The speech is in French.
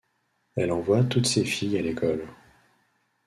Elle envoie toutes ses filles à l'école.